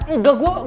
enggak gue ada